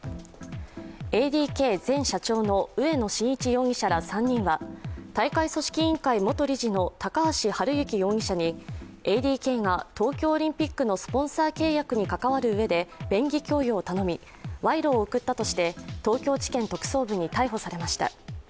ＡＤＫ前社長の植野伸一容疑者ら３人は、大会組織委員会元理事の高橋治之容疑者にＡＤＫが東京オリンピックのスポンサー契約に関わるうえで便宜供与を頼み賄賂を贈ったとして東京地検特捜部に逮捕されました。